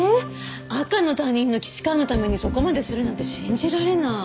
赤の他人の岸川のためにそこまでするなんて信じられない。